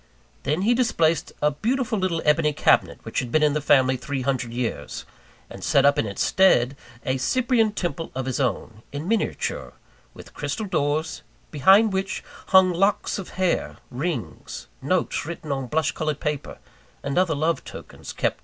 Then he displaced a beautiful little ebony cabinet which had been in the family three hundred years; and set up in its stead a Cyprian temple of his own, in miniature, with crystal doors, behind which hung locks of hair, rings, notes written on blush coloured paper, and other love tokens kept as sentimental relics.